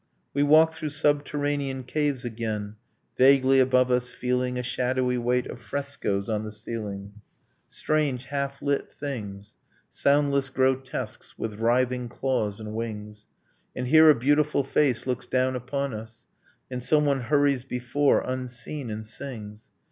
. We walk through subterranean caves again, Vaguely above us feeling A shadowy weight of frescos on the ceiling, Strange half lit things, Soundless grotesques with writhing claws and wings ... And here a beautiful face looks down upon us; And someone hurries before, unseen, and sings